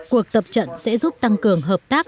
cuộc tập trận sẽ giúp tăng cường hợp tác